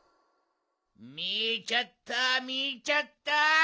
みちゃったみちゃった！